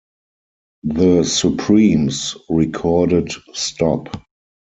The Supremes recorded Stop!